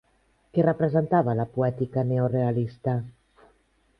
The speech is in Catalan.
Què representava la poètica neorealista?